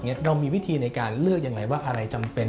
เรามีวิธีในการเลือกยังไงว่าอะไรจำเป็น